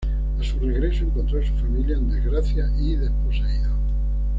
A su regreso, encontró a su familia en desgracia y desposeídos.